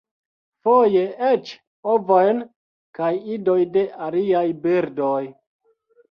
Foje eĉ ovojn kaj idoj de aliaj birdoj.